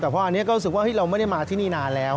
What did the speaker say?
แต่พออันนี้ก็รู้สึกว่าเราไม่ได้มาที่นี่นานแล้ว